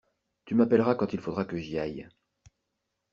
Tu m’appelleras quand il faudra que j’y aille.